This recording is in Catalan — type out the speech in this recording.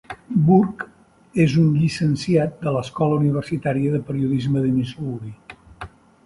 Burke és un llicenciat de l'Escola Universitària de Periodisme de Missouri.